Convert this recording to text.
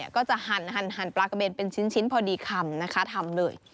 ก็จะหั่นปลากระเบนเป็นชิ้นพอดีคำนะคะทำเลย